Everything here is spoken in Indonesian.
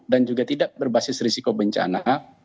dan juga tidak berbasis risiko bencana